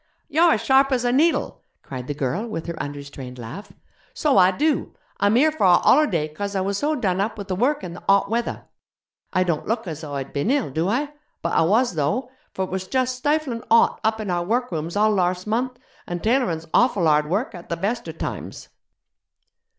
'You're as sharp as a needle,' cried the girl with her unrestrained laugh; 'so I do. I'm here for a hollerday 'cos I was so done up with the work and the hot weather. I don't look as though I'd bin ill, do I? But I was, though: for it was just stiflin' hot up in our workrooms all larse month, an' tailorin's awful hard work at the bester times.'